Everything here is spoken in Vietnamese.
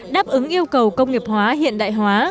đáp ứng yêu cầu công nghiệp hóa hiện đại hóa